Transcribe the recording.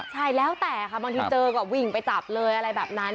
ใช่แล้วแต่ค่ะบางทีเจอก็วิ่งไปจับเลยอะไรแบบนั้น